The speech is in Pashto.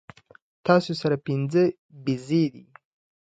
تاسو سره پنځۀ بيزې دي